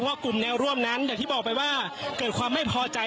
ว่ากลุ่มแนวร่วมนั้นอย่างที่บอกไปว่าเกิดความไม่พอใจ